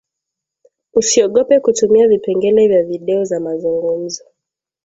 usiogope kutumia vipengele vya video za mazungumzo